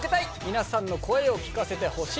皆さんの声を聞かせてほしい。